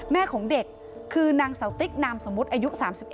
แม่ของเด็กคือนางเสาติ๊กนามสมมุติอายุ๓๑